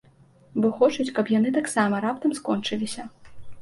Бо хочуць, каб яны таксама раптам скончыліся.